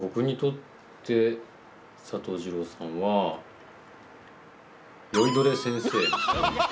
僕にとって、佐藤二朗さんは酔いどれ先生ですね。